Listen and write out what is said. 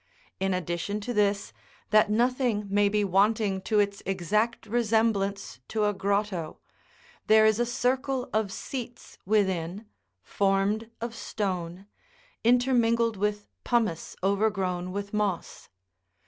In addition to this, that nothing may be wanting to its exact resemblance to a grotto, there is a circle of seats within, formed of stone, intermingled with pumice overgrown with moss.